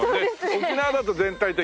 沖縄だと全体的に。